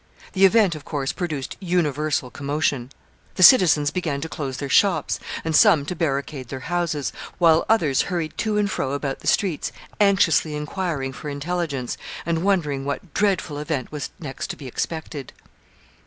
The event, of course, produced universal commotion. The citizens began to close their shops, and some to barricade their houses, while others hurried to and fro about the streets, anxiously inquiring for intelligence, and wondering what dreadful event was next to be expected.